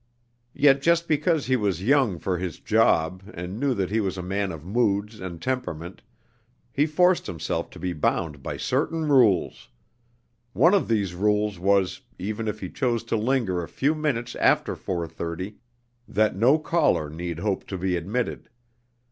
Yet just because he was young for his "job," and knew that he was a man of moods and temperament, he forced himself to be bound by certain rules. One of these rules was, even if he chose to linger a few minutes after four thirty, that no caller need hope to be admitted.